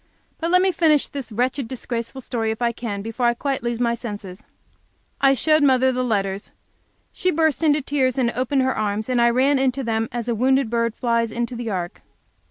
But let me finish this wretched, disgraceful story, if I can, before I quite lose my senses. I showed my mother the letters. She burst into tears and opened her arms, and I ran into them as a wounded bird flies into the ark.